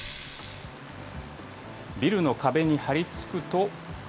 ビルの壁にはりつくと。